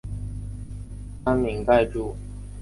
斑皿盖蛛为皿蛛科皿盖蛛属的动物。